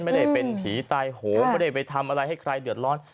ไม่ได้เป็นผีตายโหงไม่ได้ไปทำอะไรให้ใครเดือดร้อน